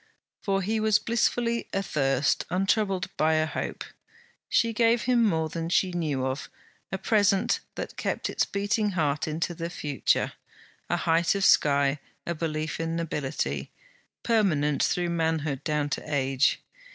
For he was blissfully athirst, untroubled by a hope. She gave him more than she knew of: a present that kept its beating heart into the future; a height of sky, a belief in nobility, permanent through manhood down to age.